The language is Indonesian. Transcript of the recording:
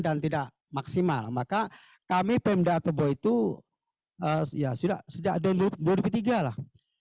dan tidak maksimal maka kami pemda atebo itu ya sudah sejak tahun dua ribu tiga lah